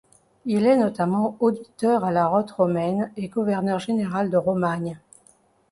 Il est notamment auditeur à la rote romaine et gouverneur général de Romagne.